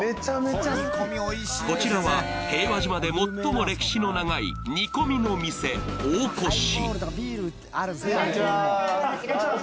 こちらは平和島で最も歴史の長い煮込みの店おおこし。